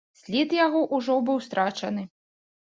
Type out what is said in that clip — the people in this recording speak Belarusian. След яго ўжо быў страчаны.